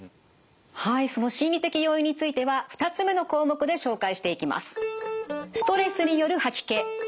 はいその心理的要因については２つ目の項目で紹介していきます。